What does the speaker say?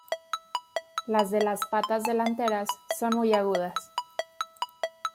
Las de las patas delanteras son muy agudas.